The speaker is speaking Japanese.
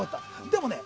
でもね